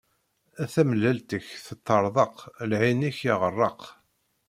Tamellalt-ik teṭṭeṛḍeq, lɛin-ik iɣeṛṛeq.